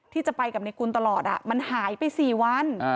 ที่จะไปกับในกุลตลอดมันหายไป๔วัน